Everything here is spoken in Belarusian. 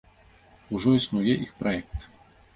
Ужо існуе іх праект.